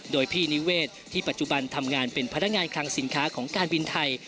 โดยพี่นิเวศที่ปัจจุบันทำงานเป็นพนักงานคลังสินค้าของการบินไทย